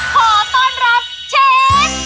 ขอต้อนรับเชฟร็อกค่าาาา